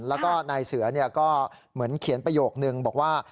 แล้วก็นายเสือก็เหมือนเขียนประโยคนึงบอกว่า